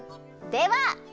では。